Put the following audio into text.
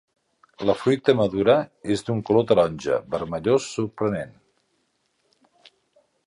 La fruita madura és d'un color taronja vermellós sorprenent.